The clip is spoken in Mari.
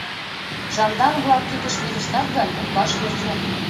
— Жандарм-влак кидыш верештат гын, утлаш йӧсӧ.